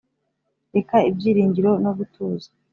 reka ibyiringiro no gutuza